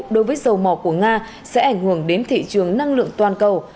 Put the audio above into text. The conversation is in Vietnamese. đối với dầu mỏ của nga sẽ ảnh hưởng đến thị trường năng lượng toàn cầu